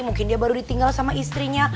mungkin dia baru ditinggal sama istrinya